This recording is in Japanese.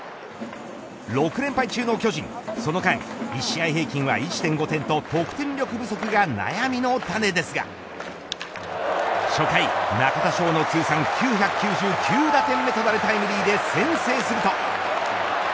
６連敗中の巨人その間、１試合平均は１．５点と得点力不足が悩みの種ですが初回、中田翔の通算９９９打点目となるタイムリーで先制すると。